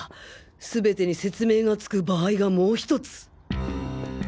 すべてに説明がつく場合がもう１つ！